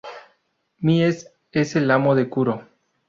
Mies es el amo de Kuro.